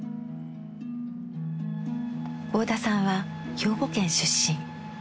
合田さんは兵庫県出身。